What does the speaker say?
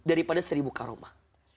daripada seribu karamah